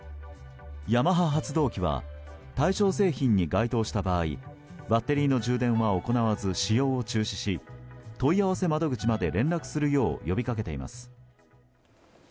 ヤマハ発動機は対象製品に該当した場合バッテリーの充電は行わず使用を中止し問い合わせ窓口まで連絡するよう呼び掛けています。